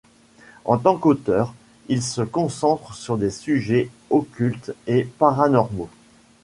En tant qu'auteur, il se concentre sur des sujets occultes et paranormaux.